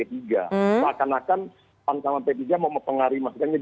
bahkan bakan pantangan p tiga mau mempengaruhi mas ganjar